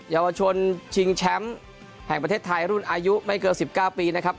เยาวชนชิงแชมป์แห่งประเทศไทยรุ่นอายุไม่เกิน๑๙ปีนะครับ